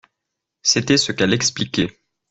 C’était ce qu’elle expliquait.